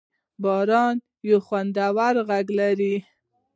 باران یو خوندور غږ لري.